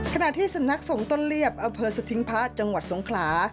ขณะที่สำนักส่งต้นเรียบอำเภอสถิงพระจังหวัดสงขลา